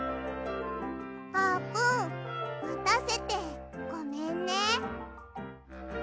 あーぷんまたせてごめんね。